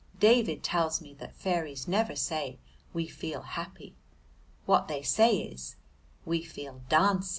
David tells me that fairies never say "We feel happy": what they say is, "We feel dancey."